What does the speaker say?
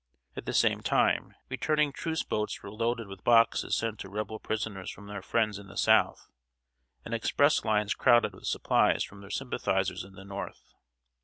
At the same time, returning truce boats were loaded with boxes sent to Rebel prisoners from their friends in the South, and express lines crowded with supplies from their sympathizers in the North.